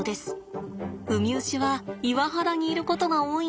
ウミウシは岩肌にいることが多いんだそうですが。